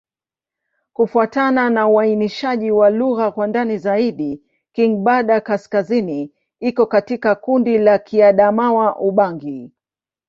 Kufuatana na uainishaji wa lugha kwa ndani zaidi, Kingbandi-Kaskazini iko katika kundi la Kiadamawa-Ubangi.